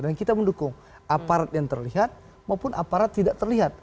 dan kita mendukung aparat yang terlihat maupun aparat yang tidak terlihat